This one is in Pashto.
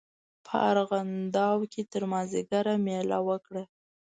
په ارغنداو کې تر مازیګره مېله وکړه.